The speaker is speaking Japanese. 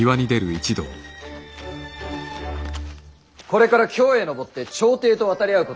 これから京へ上って朝廷と渡り合うこともある。